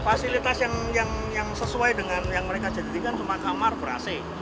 fasilitas yang sesuai dengan yang mereka jadikan cuma kamar ber ac